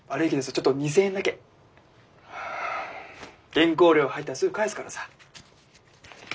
原稿料入ったらすぐ返すからさ。